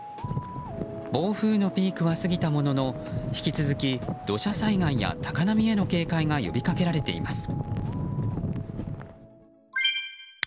暴風のピークは過ぎたものの引き続き、土砂災害や高波への警戒が呼びかけられています。